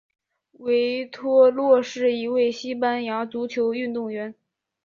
维托洛是一位西班牙足球运动员。